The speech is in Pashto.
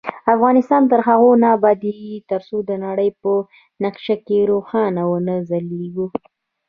افغانستان تر هغو نه ابادیږي، ترڅو د نړۍ په نقشه کې روښانه ونه ځلیږو.